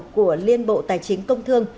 của liên bộ tài chính